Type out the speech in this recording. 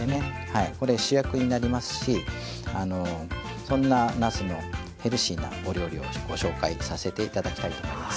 これ主役になりますしそんななすのヘルシーなお料理をご紹介させていただきたいと思います。